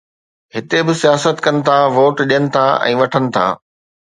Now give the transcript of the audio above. هتي به سياست ڪن ٿا، ووٽ ڏين ٿا ۽ وٺن ٿا